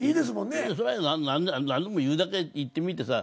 何でも言うだけ言ってみてさ